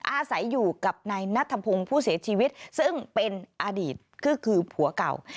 อาศัยอยู่กับนายนัทพงศ์ผู้เสียชีวิตซึ่งเป็นอดีตก็คือผัวเก่า